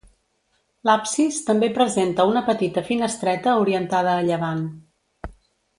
L'absis també presenta una petita finestreta orientada a llevant.